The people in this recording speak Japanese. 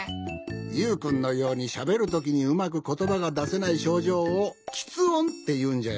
ユウくんのようにしゃべるときにうまくことばがだせないしょうじょうをきつ音っていうんじゃよ。